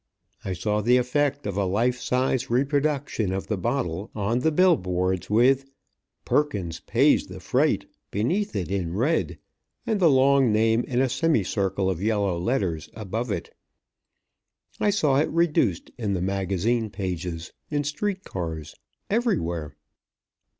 I saw the effect of a life size reproduction of the bottle on the bill boards with "Perkins Pays the Freight" beneath it in red, and the long name in a semicircle of yellow letters above it. I saw it reduced in the magazine pages, in street cars everywhere.